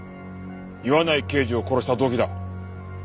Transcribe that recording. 岩内刑事を殺した動機だ。